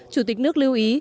chủ tịch nước lưu ý